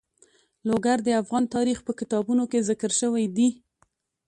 لوگر د افغان تاریخ په کتابونو کې ذکر شوی دي.